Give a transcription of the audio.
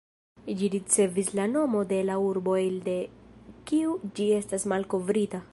Ĝi ricevis la nomo de la urbo elde kiu ĝi estis malkovrita.